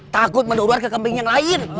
takut mendorong ke kembing yang lain